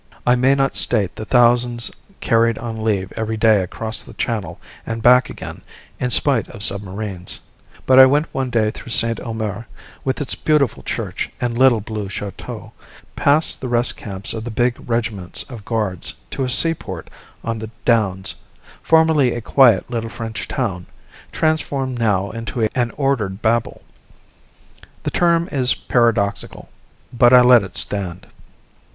I may not state the thousands carried on leave every day across the channel and back again in spite of submarines. But I went one day through Saint Omer, with its beautiful church and little blue chateau, past the rest camps of the big regiments of guards to a seaport on the downs, formerly a quiet little French town, transformed now into an ordered Babel. The term is paradoxical, but I let it stand.